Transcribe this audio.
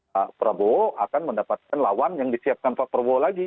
pak prabowo akan mendapatkan lawan yang disiapkan pak prabowo lagi